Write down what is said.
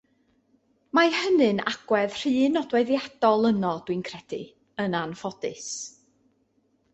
Mae hynny'n agwedd rhy nodweddiadol yno dwi'n credu, yn anffodus.